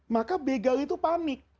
maka begal itu panik